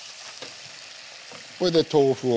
これで豆腐を。